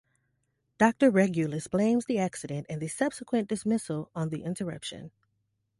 Doctor Regulus blames the accident, and his subsequent dismissal, on the interruption.